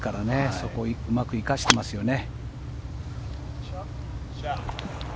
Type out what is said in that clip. そこをうまく生かしてますよね。